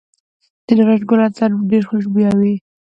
د نارنج ګل عطر ډیر خوشبويه وي.